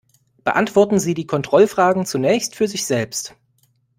Beantworten Sie die Kontrollfragen zunächst für sich selbst.